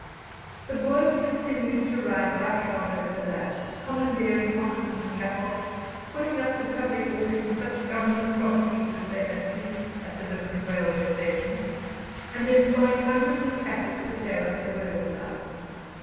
The Boers continued to ride roughshod over the land, commandeering oxen and cattle, putting up to public auction such Government properties as they had seized at the different railway stations, and employing hundreds of Kaffirs to tear up the railway line.